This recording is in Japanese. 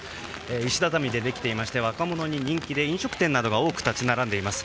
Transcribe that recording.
石畳でできていまして若者に人気で飲食店などが多く立ち並んでします。